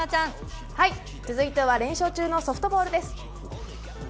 続いては連勝中のソフトボールです。